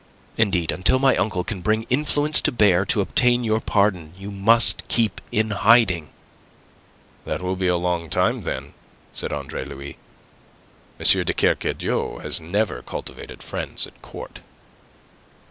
Indeed, until my uncle can bring influence to bear to obtain your pardon, you must keep in hiding." "That will be a long time, then," said Andre Louis. "M. de Kercadiou has never cultivated friends at court."